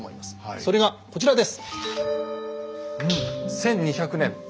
それがこちらです。